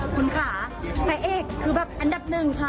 คุณค่ะพระเอกคือแบบอันดับหนึ่งค่ะ